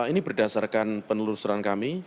ini berdasarkan penelusuran kami